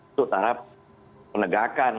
itu taraf penegakan